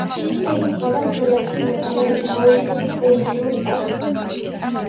ესაზღვრება ჩილეში მდებარე ლაუკის ეროვნულ პარკს.